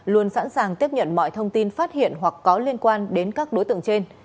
luôn sẵn sàng tiếp nhận mọi thông tin phát hiện hoặc có liên quan đến các đối tượng trên